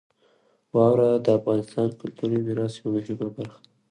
واوره د افغانستان د کلتوري میراث یوه مهمه برخه ده.